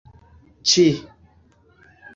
ĉi